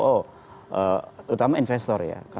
oh utama investor ya